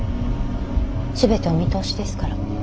全てお見通しですから。